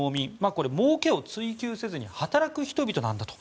これはもうけを追求せずに働く人々なんだと。